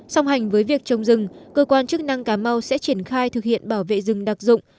song hành với việc trồng rừng cơ quan chức năng cà mau sẽ triển khai thực hiện bảo vệ rừng đặc dụng